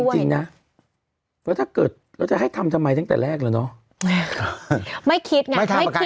แต่เอาจริงนะแล้วจะให้ทำทำไมตั้งแต่แรกหรอเนาะ